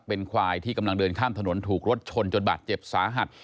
เป็นควายที่กำลังเดินข้ามถนนถูกรถชนจนบาดเจ็บสาหัส